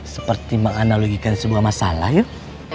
seperti menganalogikan sebuah masalah ya